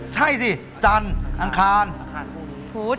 ใช่สิจันทร์อังคารพุธ